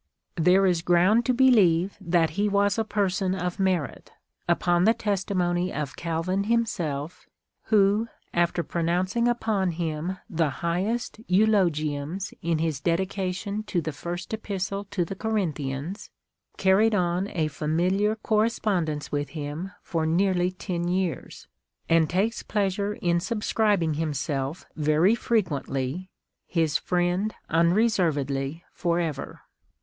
There is ground to be lieve that he was a person of merit, upon the testimony of Calvin himself, who, after pronouncing upon him the highest eulogiums in his Dedication to the First Epistle to the Corinthians, carried on a familiar correspondence with him for nearly ten years, and takes pleasure in sub scribing himself very frequently his friend unreservedly for ever.